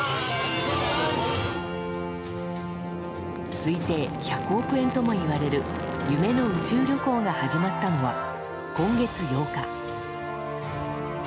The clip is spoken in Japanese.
推定１００億円ともいわれる夢の宇宙旅行が始まったのは今月８日。